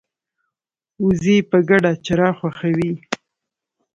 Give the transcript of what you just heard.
وزې په ګډه چرا خوښوي